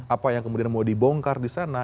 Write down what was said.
apa yang kemudian mau dibongkar disana